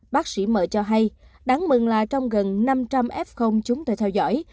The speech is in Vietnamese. bác sĩ m cho hay đáng mừng là trong gần năm trăm linh f chúng tôi theo dõi